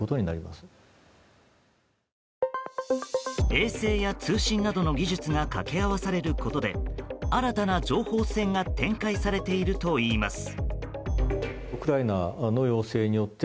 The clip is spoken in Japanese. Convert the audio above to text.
衛星や通信などの技術が掛け合わされることで新たな情報戦が展開されているといいます。